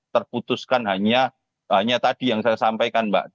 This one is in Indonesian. terputuskan hanya tadi yang saya sampaikan mbak